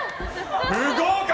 不合格！